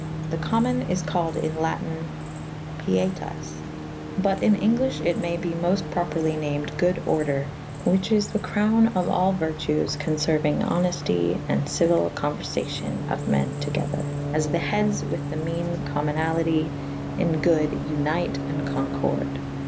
The commune is callyd in latin pietas / but in englyffhe it may be mofte properly namyd goode ordre, whiche is the coroune " of all vertues cowferuynge honefte & cyuyle conuerfacion of men togyther / as the hedd^j fiith the meane comynalte in good vnite & Concorde.